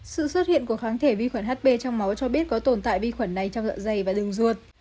sự xuất hiện của kháng thể vi khuẩn hp trong máu cho biết có tồn tại vi khuẩn này trong dọa dày và đường ruột